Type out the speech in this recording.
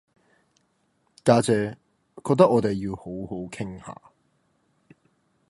家姐覺得我哋要好好傾下